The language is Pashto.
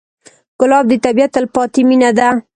ګلاب د طبیعت تلپاتې مینه ده.